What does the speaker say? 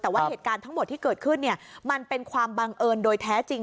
แต่ว่าเหตุการณ์ทั้งหมดที่เกิดขึ้นมันเป็นความบังเอิญโดยแท้จริง